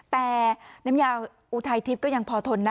แต่น้ำยาอุทัยทิพย์ก็ยังพอทนนะ